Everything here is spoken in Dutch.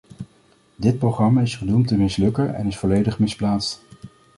Dit programma is gedoemd te mislukken en is volledig misplaatst.